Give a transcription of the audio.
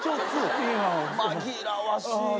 紛らわしい。